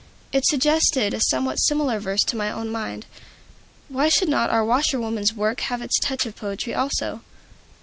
It suggested a somewhat similar verse to my own mind. Why should not our washerwoman's work have its touch of poetry also?